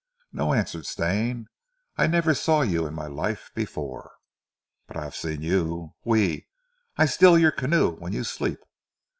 "No," answered Stane. "I never saw you in my life before." "But I haf seen you. Oui! I steal your canoe when you sleep!"